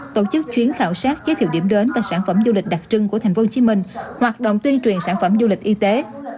tổ chức chuyến khảo sát giới thiệu điểm đến và sản phẩm du lịch đặc trưng của tp hcm hoạt động tuyên truyền sản phẩm du lịch y tế